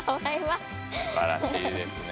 すばらしいですね。